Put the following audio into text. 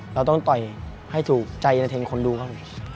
เราต้องต่อยให้ถูกใจในเทงคนดูครับ